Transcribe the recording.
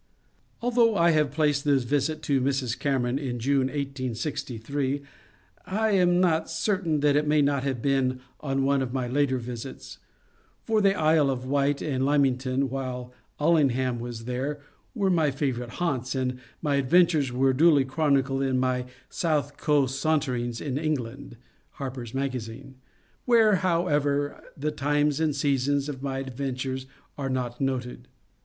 Although I have placed this visit to Mrs. Cameron in June, 1863, 1 am not certain that it may not have been on one of my later visits, — for the Isle of Wight and Lymington, while Allingham was there, were my favourite haunts, and my ad ventures were duly chronicled in my *^ South Coast Saunter ings in England "('* Harper's Magazine "), where, however, the times and seasons of my adventures are not noted.